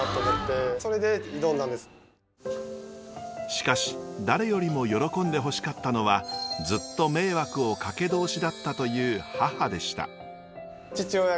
しかし誰よりも喜んでほしかったのはずっと迷惑をかけ通しだったという母でした。